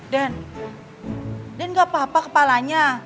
den den gak apa apa kepalanya